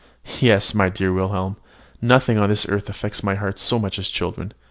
Yes, my dear Wilhelm, nothing on this earth affects my heart so much as children.